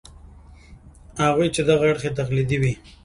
هغوی چې دغه اړخ یې تقلیدي وي.